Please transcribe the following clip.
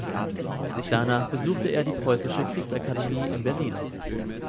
Danach besuchte er die Preußische Kriegsakademie in Berlin.